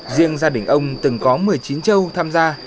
riêng gia đình ông từng có một mươi chín châu tham gia